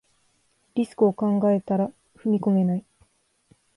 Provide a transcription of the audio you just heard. リスクを考えたら踏み込めない